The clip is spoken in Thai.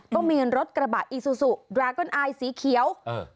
ก็มีรถกระบะอีซูซูดรากอนไอสีเขียวเออ